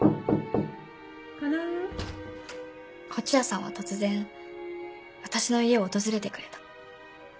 東風谷さんは突然私の家を訪れてくれた。